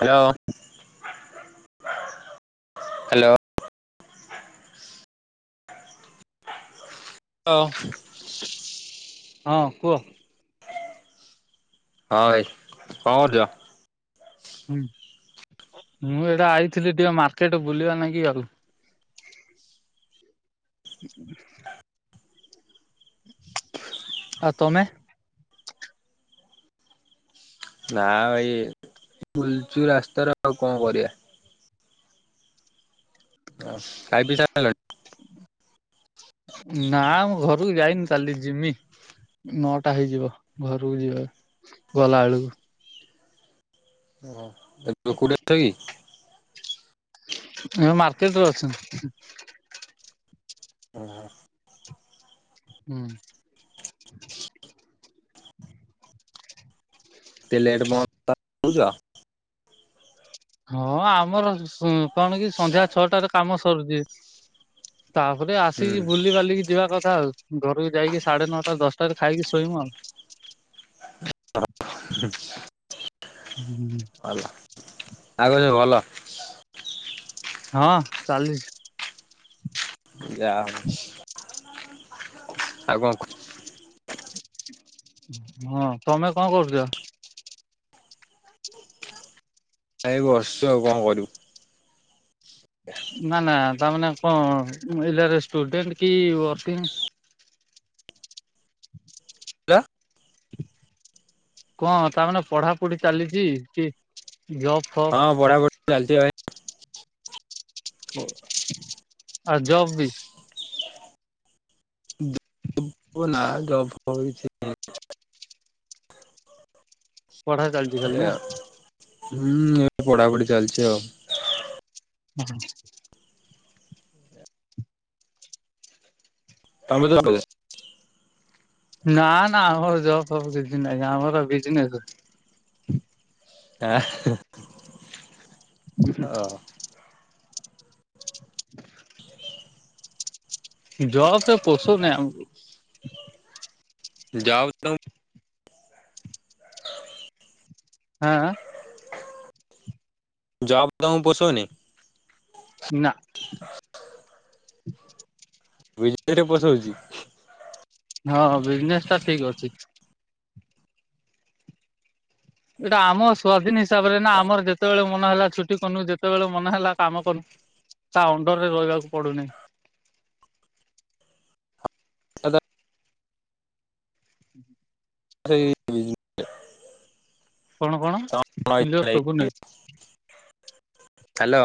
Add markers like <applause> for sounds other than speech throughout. Hello. Hello. ଲୋ। ହଁ କୁହ। ହଁ ଭାଇ କଣ କରୁଚ। ହୁଁ ମୁଁ ଏଇଟା ଆଇଥିଲି ଟିକେ ମାର୍କେଟ ବୁଲିବା ନାଗି ଆଉ। <inaudible> ଆ ତମେ। ନା ଭାଇ ବୁଲୁଚୁ ରାସ୍ତାରେ ଆଉ କଣ କରିବା। ଆ ଖାଇ ପିଇ ସାରିଲଣି। ନା ମୁଁ ଘରକୁ ଯାଇନି କାଲି ଜିମି। ନଅଟା ହେଇଯିବ ଘରକୁ ଯିବା ଗଲା ବେଳକୁ। ଓହୋ ବେ କୋଉଠି ଅଛ କି। ଏ ମାର୍କେଟ ରେ ଅଛି। ଓହ। ହୁଁ। <unintelligible> ହଁ ଆମର ସ କଣ କି ସନ୍ଧ୍ୟା ଛଅଟାରେ କାମ ସରୁଚି। ତାପରେ ହୁଁ ଆସିକି ବୁଲି ବାଲିକି ଯିବା କଥା ଆଉ ଘରକୁ ଯାଇକି ସାଢେ ନଅଟା ଦଶଟାରେ ଖାଇକି ଶୋଇମୁ ଆଉ। <inaudible> <inaudible> <unintelligible> ଭଲ। ହଁ ଚାଲିଛି। ଯା ଆଉ କଣ ହଁ ତମେ କଣ କରୁଚ। ଏଇ ବସିଚୁ ଆଉ କଣ କରିମୁ। ନା ନା ତାମାନେ କଣ ଏଇଲରେ ଷ୍ଟୁଡେଣ୍ଟ କି ୱାର୍କିଂ <inaudible> <inaudible> କଣ ତାମନେେ ପଢାପଢି ଚାଲିଛି କି ଜବ୍ ଫବ୍ ହଁ ପଢା ପ ଚାଲିଚି ଭାଇ। ଆ ଜବ୍ ବି <unintelligible> ପଢା ଚାଲିଛି ଖାଲି ନା? ଏୟା ହୁଁ ଏ ପଢ଼ାପଢ଼ି ଚାଲଛି ଆଉ। <inaudible> <unintelligible> ନା ନା ଆମର ଜବ୍ ଫବ କିଛି ନାହିଁ ଆମର ବିଜନେସ <unintelligible> <inaudible> <inaudible> ଜବ ତ ପୋଶଉନେଇ ଆମକୁ ଜବ ତ ଆଁ ଆଁ। ଜବ୍ ତମୁକୁ ପୋଶୋଉନି। ନା। ବିନେସ ପୋଶଉଛି। ହଁ ବିଜନେସ୍ ଟା ଠିକ ଅଛି। ଏଇଟା ଆମ ସ୍ଵାଧୀନ ହିସାବରେ ନା ଆମର ଯେତେବେଳେ ମନ ହେଲା ଛୁଟି କନୁ ଯେତେବେଳେ ମନେ ହେଲା କାମ କନୁ। ତା ଅଣ୍ଡର ରେ ରହିବାକୁ ପଡୁନେଇ। <unintelligible> ହୁଁ ହ <inaudible> <unintelligible> କଣ କଣ କ୍ଲିଅର ସୁବୁନି? ହାଲୋ।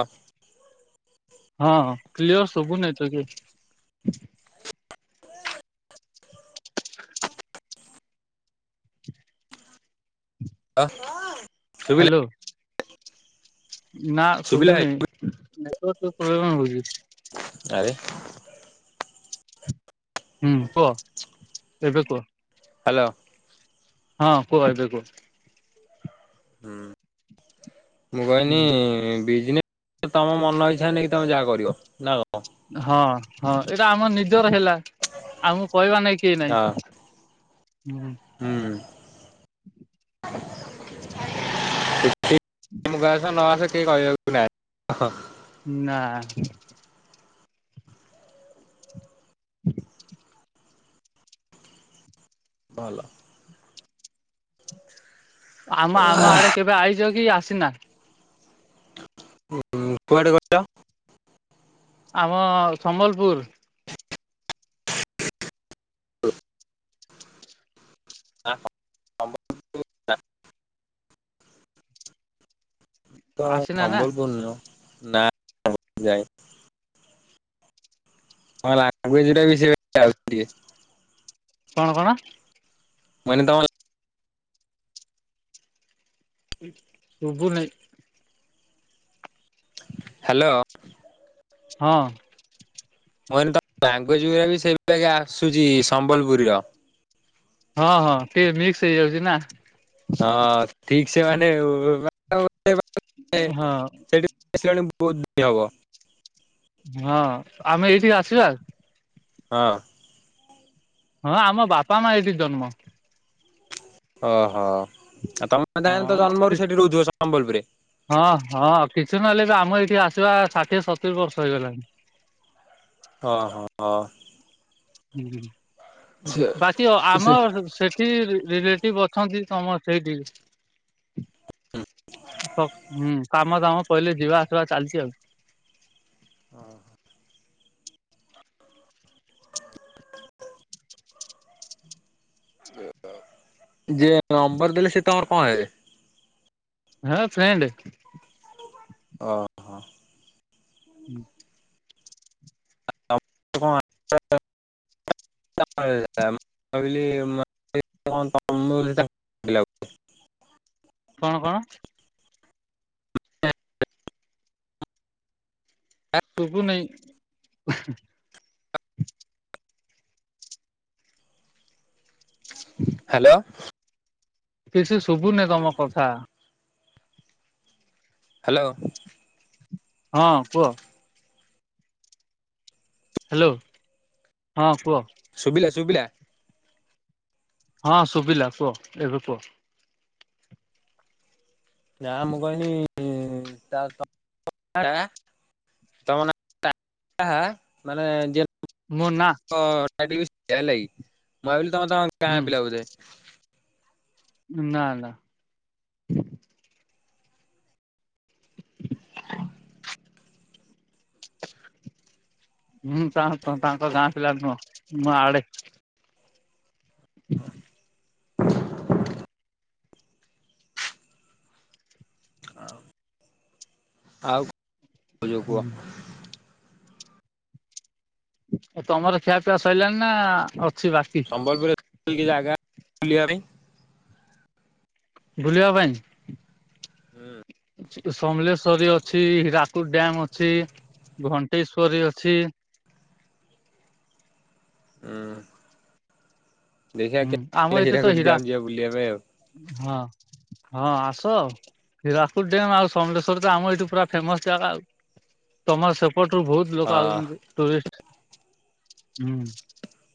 ହଁ ହଁ କ୍ଲିୟର ସୁବୁନି ଏତେ କି। <inaudible> <unintelligible> ଶୁଭିଲା ହ୍ୟାଲୋ। ନା ଶୁଭିଲା ଶୁଭୁନି‌ ନେଟୱର୍କ ଟିକେ ପ୍ରୋବଲେମ ହୋଉଛି। ଆରେ। ହୁଁ କୁହ ଏବେ କୁହ। ହ୍ୟାଲୋ। ହଁ କୁହ ଏବେ କୁହ। ହୁଁ ମୁଁ ହୁଁ। କହିନି-ଇ-ଇ-ଇ ବିଜନେସ ତମ ମନ ଇଚ୍ଛା ନେଇକି ତମେ ଯାହା କରିବ ନା କଣ? ହଁ ହଁ ଏଇଟା ଆମ ନିଜର ହେଲା ଆମକୁ କହିବାର ନାଇଁ କେହି ନାଇଁ। ହୁଁ। ହୁଁ। <unintelligible> କେହି କହିବାକୁ ନାହିଁ ହଁ। ନା। <inaudible> ଭଲ। ଆମ ଆମ ଆଡେ କେବେ ଆଇଚ କି ଆସିନା? <unintelligible> କୁଆଡ଼େ କହିଲ? ଆମ-ଅ-ଅ ସମ୍ବଲପୁର। <unintelligible> ତ ଆସିନା ନା ସମ୍ବଲପୂର ନୁହଁ ନା <unintelligible> ଯାଇନି। ହଁ ଲାଙ୍ଗୁଏଜ ଟା ବି ସେଇଭଳି <unintelligible> ଟିକେ। କଣ କଣ? ମୁଁ କହିଲି ତମ ଶୁଭୁ ନାଇଁ। ହ୍ୟାଲୋ। ହଁ। ମୁଁ କହିଲି ତମ ଲାଙ୍ଗୁଏଜ ଗୁରା ବି <unintelligible> ଆସୁଛି ସମ୍ବଲପୁରୀ ର। ହଁ ହଁ ଟିକେ ମିକ୍ସ ହେଇଯାଉଛି ନା। ହଁ ଠିକ ସେମାନେ <unintelligible> ହଁ। ସେଠି ଆସିଲଣି ବହୁତ ଦିନି ହବ। ହଁ ଆମେ ଏଇଠିକି ଆସିବା? ହଁ। ହଁ ଆମ ବାପା, ମା ଏଇଠି ଜନ୍ମ। ଓହୋ ଆଉ ତମେ ତାହେଲେ ତ ହଁ କି ଜନ୍ମରୁ ସେଠି ରହୁଥିବ ସମ୍ବଲପୁରରେ। ହଁ ହଁ କିଛି ନହେଲେ ବି ଆମ ଏଇଠି ଆସିବା ଷାଠିଏ ସତୁରି ବର୍ଷ ହେଇଗଲାଣି। ହଁ ହଁ ହଁ। ହୁଁ ସେ ବାଟି ସେ ଆମର ସେ ଠି ରି ରିଲେଟିଭ ଅଛନ୍ତି ସମସ୍ତେ ସେଇଠି। ହୁଁ କାମ ଦାମ ପହିଲେ ଯିବା ଆସିବା ଚାଲିଛି ଆଉ। ହ ଯିଏ ନମ୍ବର ଦେଲେ ସେ ତମର କଣ ହେବେ? ହଁ ଫ୍ରେଣ୍ଡେ। ଅଁ। ହୁଁ। <inaudible> <inaudible> କହିଲି <inaudible> କଣ କଣ? ଶୁଭୁନେଇଁ। ହ ହାଲୋ। କିଛି ଶୁଭୁନି ତମ କଥା। ହାଲୋ। ହଁ କୁହ। ହାଲୋ ହଁ କୁହ। ଶୁବିଲା ଶୁବିଲା। ହଁ ଶୁଭିଲା କୁହ ଏବେ କୁହ। ନା ମୁଁ କହିଲି ଇଁ ତାର ତ <inaudible> ଆଁ ତମ ନା <inaudible> ମାନେ ଯେ ମୋ ନା ହ <inaudible> ହେଲାକି ମୁଁ ଭାବିଲି ତମେ ତମ ହୁଁ ଗାଁ ପିଲା ବୋଧେ। ନା ନା। ହୁଁ ତା ତାଙ୍କ ଗାଁ ପିଲା ନୁହଁ ମୁଁ ଆଡେ। ହଁ। ଆଉ ଆଉ <inaudible> କହୁଚ କୁହ। ଏ ତମର ଖିଆପିଆ ସଇଲାଣି ନା ଅଛି ବାକି? ସମ୍ବଲପୁରରେ <inaudible> କି କି ଜାଗା ବୁଲିବା ପାଇଁ। ବୁଲିବା ପାଇଁ? ହୁଁ। ସେଟି ସମଲେଶ୍ଵରୀ ଅଛି ହୀରାକୁଦ ଡ୍ୟାମ୍ ଅଛି ଘଣ୍ଟେଶ୍ଵରୀ ଅଛି। ଉଁ ଦେଖିଆ ହୁଁ କେ ଆମ ବେ ଏଇଠି ତ ହୀରାକୁଦ ହୀରା ଡ୍ୟାମ୍ ବୁଲିଆ ପାଇଁ ଆଉ। ହଁ। ହଁ ଆସ ହୀରାକୁଦ ଡ୍ୟାମ୍ ଆଉ ସମଲେଶ୍ଵର ତ ଆମ ଏଇଠୁ ପୁରା ଫେମସ ଜାଗା ଆଉ। ତମର ସେପଟୁରୁ ବହୁତ ଲୋକ ହଁ ଆଉଚନ୍ତି ଟୁରିଷ୍ଟ ହୁଁ।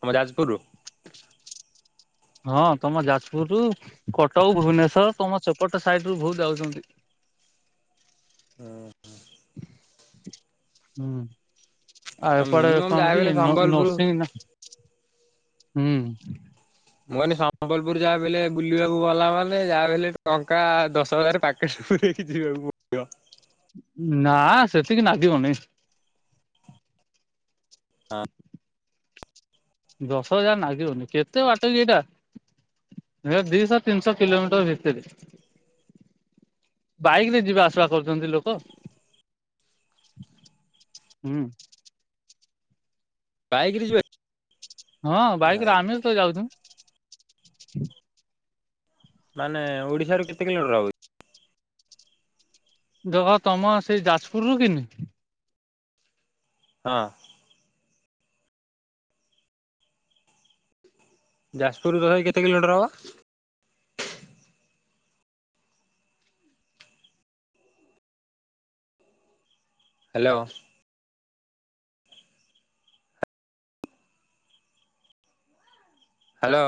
ଆମ ଯାଜପୁରରୁ? ହଁ ତମ ଯାଜପୁରରୁୁ କଟକ, ଭୁବନେଶ୍ୱର ତମ ସେପଟ ସାଇଡରୁ ବହୁତ ଆଉଚନ୍ତି। ହଁ। ହୁଁ। ଆ ଏପଟେ ମିନିମମ୍ କଣ ଯାହା କି ହେଲେ ନ ସମ୍ବଲପୁର ନର୍ସିଂ ନା ହୁଁ। ମୁଁ କହିନି ସମ୍ବଲପୁର ଯାହାବି ହେଲେ ବୁଲିବାକୁ ଗଲା ମାନେ ଯାହା ବି ହେଲେ ଟଙ୍କା ଦଶ ହଜାର ପା ଏ ଯିବାକୁ ପଡିବ। ନା ସେତିକି ନାଗିବନି। <unintelligible> ଦଶ ହଜାର ନାଗିବନି କେତେ ବାଟ କି ଏଇଟା? ହେ ଦିଶହ ତିନିଶହ କିଲୋମିଟର ଭିତେରେ। ବାଇକରେ ଯିବା ଆସିବା କରୁଚନ୍ତି ଲୋକ। ହୁଁ। ବାଇକ୍ ରେ ଯିବା ହଁ ଭାଇ ବାଇକରେ ଆମେ ତ ଯାଉଚୁ। ମାନେ ଓଡିଶାରୁ କେତେ କିଲୋମଟର ହବ କି? ଦେଖ ତମର ସେଇ ଯାଜପୁରରୁୁ କିନି ହଁ। ଯାଜପୁରରୁ ତଥାପି କେତେ କିଲୋମିଟର ହବ? ହାଲୋ। ହ୍ୟାଲୋ।